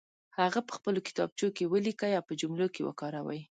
هغه په خپلو کتابچو کې ولیکئ او په جملو کې وکاروئ.